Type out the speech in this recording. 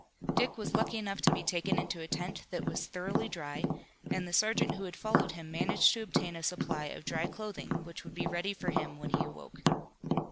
Dick was lucky enough to be taken into a tent that was thoroughly dry, and the sergeant who had followed him managed to obtain a supply of dry clothing which would be ready for him when he awoke.